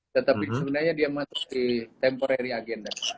tetapi sebenarnya dia masih temporary agenda